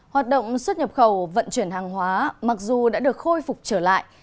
hoạt động xuất nhập khẩu vận chuyển hàng hóa mặc dù đã được khôi phục trở lại